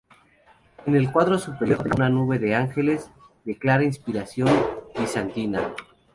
En el cuadro superior contemplamos una nube de ángeles, de clara inspiración bizantina.